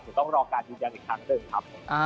จะต้องรอการยืนยังอีกครั้งหนึ่งครับ